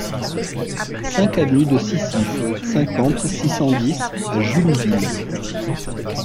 cinq avenue de Scissy, cinquante, six cent dix à Jullouville